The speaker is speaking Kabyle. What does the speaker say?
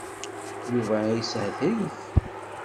Yuba a yeshetrif.